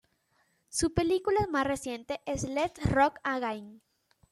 Su película más reciente es "Let's Rock Again!